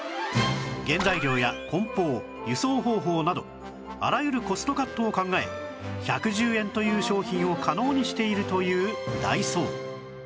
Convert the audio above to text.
原材料や梱包輸送方法などあらゆるコストカットを考え１１０円という商品を可能にしているというダイソー